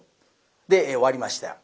で終わりました。